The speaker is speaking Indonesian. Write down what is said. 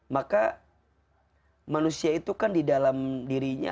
maka manusia itu kan didalam dirinya beauty free